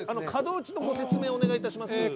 門打ちのご説明をお願いいたします。